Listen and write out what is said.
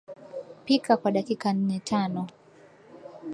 Pika kwa dakika nnetano